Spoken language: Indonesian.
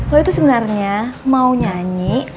lo itu sebenarnya mau nyanyi